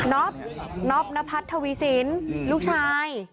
นอบนอบนพัฒน์ทวีศิลป์ลูกชาย